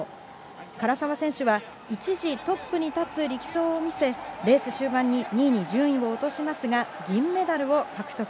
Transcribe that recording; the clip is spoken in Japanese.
唐澤選手は、一時トップに立つ力走を見せ、レース終盤に２位に順位を落としますが、銀メダルを獲得。